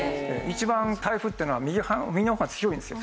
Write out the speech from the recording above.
一番台風っていうのは右の方が強いんですよ。